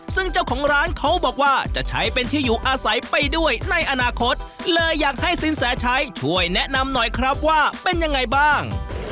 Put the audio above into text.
ซึ่งเจ้าของร้านเขาบอกว่าจะใช้เป็นที่อยู่อาศัยไปด้วยในอนาคตเลยอยากให้สินแสชัยช่วยแนะนำหน่อยครับว่าเป็นยังไงบ้าง